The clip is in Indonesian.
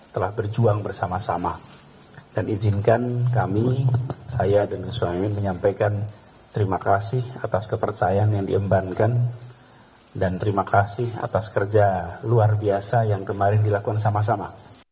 terima kasih atas kepercayaan yang diembankan dan terima kasih atas kerja luar biasa yang kemarin dilakukan sama sama